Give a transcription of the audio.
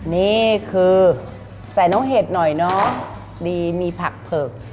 นี่คือใส่น้องเห็ดหน่อยเนาะดีมีผักเผือก